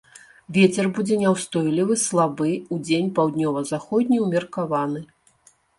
Вецер будзе няўстойлівы слабы, удзень паўднёва-заходні ўмеркаваны.